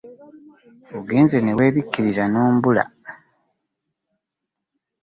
Ogenze ne weebikkirira n'ombula.